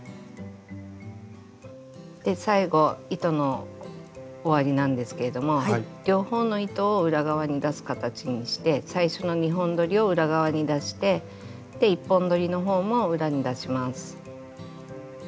で最後糸の終わりなんですけれども両方の糸を裏側に出す形にして最初の２本どりを裏側に出して１本どりの方も裏に出します。